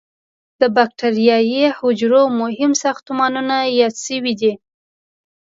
د بکټریايي حجرو مهم ساختمانونه یاد شوي دي.